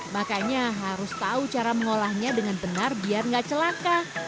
makanya harus tahu cara mengolahnya dengan benar biar nggak celaka